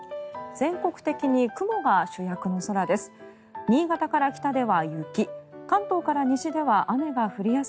全国的に雲が主役の空です。